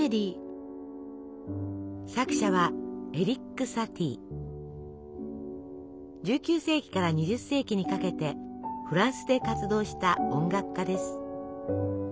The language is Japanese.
作者は１９世紀から２０世紀にかけてフランスで活動した音楽家です。